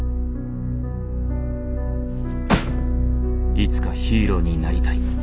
いつかヒーローになりたい。